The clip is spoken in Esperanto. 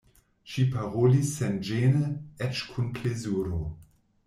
Ŝi parolis senĝene, eĉ kun plezuro.